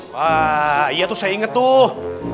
wah iya tuh saya ingat tuh